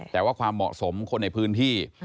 แต่ว่าความเหมาะสมคนในพื้นที่